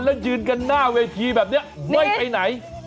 แล้วยืนกันหน้าเวทีแบบนี้ไม่ไปไหน